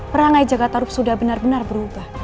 perangai jaga tarup sudah benar benar berubah